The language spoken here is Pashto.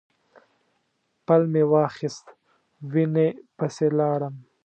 پل مې واخیست وینې پسې لاړم.